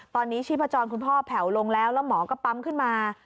ตอนนี้ชีพจรคุณพ่อแผ่วลงแล้วแล้วหมอก็ปั๊มขึ้นมา